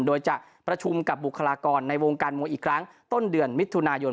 โดยจะประชุมกับบุคลากรในวงการมวยอีกครั้งต้นเดือนมิถุนายน